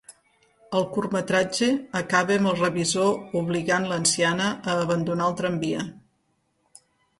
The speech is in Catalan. El curtmetratge acaba amb el revisor obligant l'anciana a abandonar el tramvia.